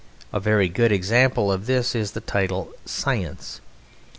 A very good example of this is the title "Science."